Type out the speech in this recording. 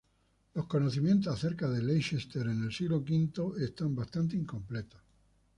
Los conocimientos acerca de Leicester en el siglo V están bastante incompletos.